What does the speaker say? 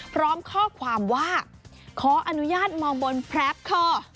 พร้อมข้อความว่าขออนุญาตมองบนแพรปคอ